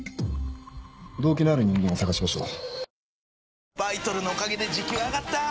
動機のある人間を探しましょう。